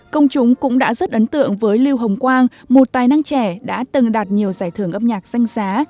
công chúng cũng đã rất ấn tượng với lưu hồng quang một tài năng trẻ đã từng đạt nhiều giải thưởng âm nhạc danh giá